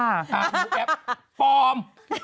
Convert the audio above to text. อ่าพูดแอปปลอม